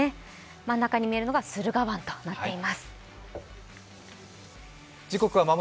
真ん中に見えるのが駿河湾となっています。